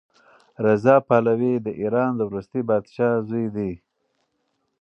رضا پهلوي د ایران د وروستي پادشاه زوی دی.